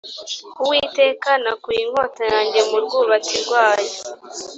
uwiteka nakuye inkota yanjye mu rwubati rwayo